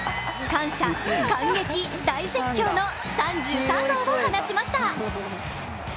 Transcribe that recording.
・感激・大絶叫の３３号を放ちました。